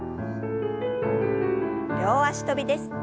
両脚跳びです。